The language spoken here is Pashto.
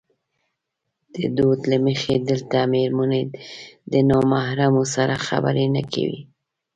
د دود له مخې دلته مېرمنې د نامحرمو سره خبرې نه کوي.